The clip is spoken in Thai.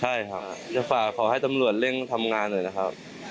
ใช่ครับจะฝากขอให้ตำรวจเร่งทำงานหน่อยนะครับ